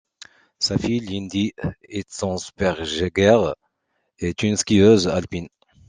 Sa fille Lindy Etzensperger est une skieuse alpine.